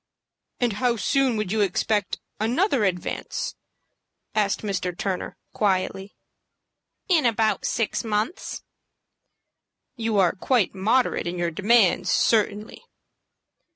"And how soon would you expect another advance?" asked Mr. Turner, quietly. "In about six months." "You are quite moderate in your demands, certainly."